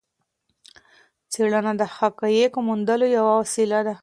څېړنه د حقایقو موندلو یوه وسيله ده.